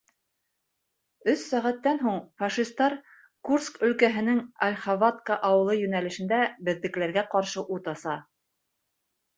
Өс сәғәттән һуң фашистар Курск өлкәһенең Ольховатка ауылы йүнәлешендә беҙҙекеләргә ҡаршы ут аса.